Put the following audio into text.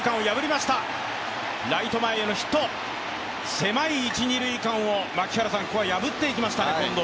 狭い一・二塁間を破っていきましたね、近藤。